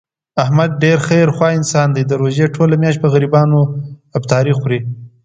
احمد ډېر خیر خوا انسان دی، د روژې ټوله میاشت په غریبانو افطاري خوري.